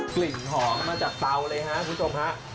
กลิ่นหอมมาจากเตาเลยครับคุณผู้ชมฮะ